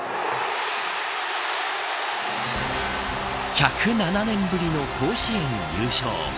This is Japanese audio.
１０７年ぶりの甲子園優勝。